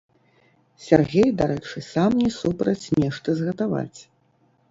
Сяргей, дарэчы, сам не супраць нешта згатаваць.